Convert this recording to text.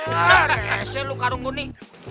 kece lo karung bundi